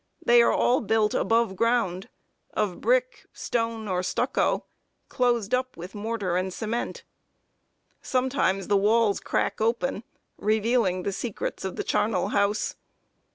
They are all built aboveground, of brick, stone, or stucco, closed up with mortar and cement. Sometimes the walls crack open, revealing the secrets of the charnel house.